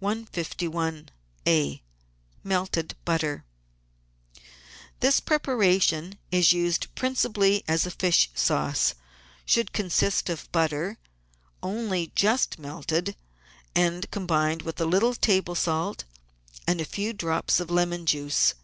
iSia MELTED BUTTER This preparation, which is used principally as a fish sauce, should consist of butter, only just melted, and combined with a little table salt and a few drops of lemon juice.